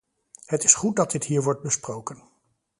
Het is goed dat dit hier wordt besproken.